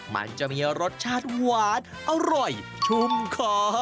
มันจะมีรสชาติหวานอร่อยชุ่มคอ